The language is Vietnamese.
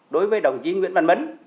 đối với đồng chí nguyễn văn mấn